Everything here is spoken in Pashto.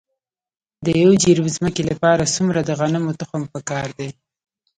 د یو جریب ځمکې لپاره څومره د غنمو تخم پکار دی؟